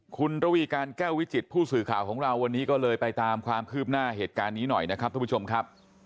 คุณระวีการแก้ววิจิตผู้สื่อข่าวของเราวันนี้ก็เลยไปตามความคืบหน้าเหตุการณ์นี้หน่อยนะครับทุกผู้ชมครับ